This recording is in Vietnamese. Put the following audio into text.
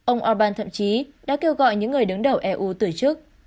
ông orbán thậm chí đã kêu gọi những người đứng đầu eu từ chức